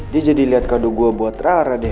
dia jadi liat kado gue buat rara deh